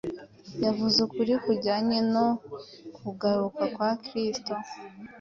yavuze ukuri kujyanye no kugaruka kwa Kristo